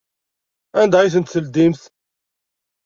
Anda ay tent-tedlemt?